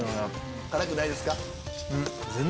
辛くないですか？